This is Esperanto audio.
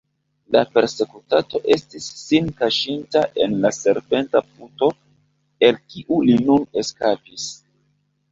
La persekutato estis sin kaŝinta en la serpenta puto, el kiu li nun eskapis.